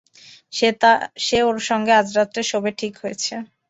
সে ওর সঙ্গে আজ রাত্রে শোবে ঠিক হয়েছে।